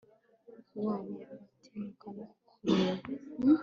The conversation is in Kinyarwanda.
waba watinyuka no kureba